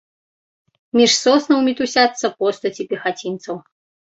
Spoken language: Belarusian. Між соснаў мітусяцца постаці пехацінцаў.